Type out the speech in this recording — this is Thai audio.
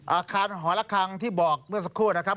อาคารหอระคังที่บอกเมื่อสักครู่นะครับ